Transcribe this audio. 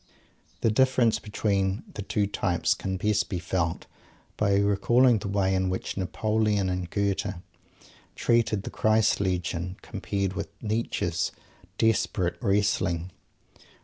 _ The difference between the two types can best be felt by recalling the way in which Napoleon and Goethe treated the Christ Legend, compared with Nietzsche's desperate wrestling.